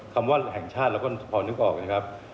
คำว่าแห่งชาติเราก็พอนึกออกนะครับ